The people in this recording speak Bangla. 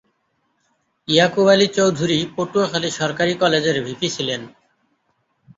ইয়াকুব আলী চৌধুরী পটুয়াখালী সরকারী কলেজের ভিপি ছিলেন।